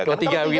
kalau tiga gini ya